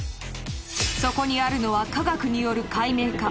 そこにあるのは科学による解明か？